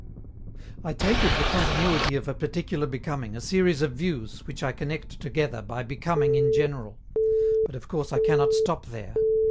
I take of the continuity of a particular becoming a series of views, which I connect together by "becoming in general." But of course I cannot stop there.